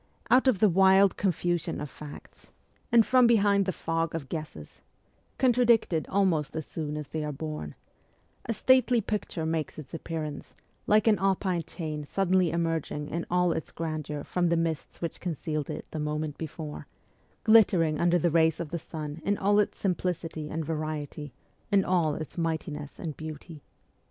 Out of the wild confusion of 6 MEMOIRS OF A REVOLUTIONIST facts and from behind the fog of guesses contradicted almost as soon as they are born a stately picture makes its appearance, like an Alpine chain suddenly emerging in all its grandeur from the mists which concealed it the moment before, glittering under the rays of the sun in all its simplicity and variety, in all its mightiness and beauty.